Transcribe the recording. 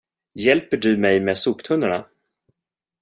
Hjälper du mig med soptunnorna?